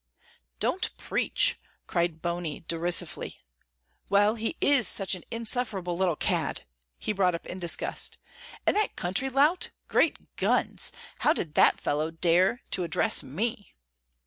"Don't preach," cried Bony, derisively. "Well, he is such an insufferable little cad!" he brought up in disgust. "And that country lout Great guns! how did that fellow dare to address me?"